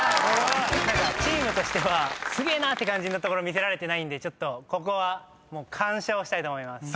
チームとしてはすげえなって感じのところ見せられてないんでここは完勝したいと思います。